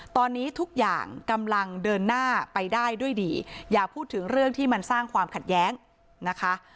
ตอนนี้ทุกอย่างกำลังเดินหน้าไปได้ด้วยดีอย่าพูดถึงเรื่องที่มันสร้างความขัดแย้งนะคะ